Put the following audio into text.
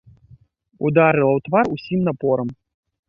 Ударыла ў твар усім напорам.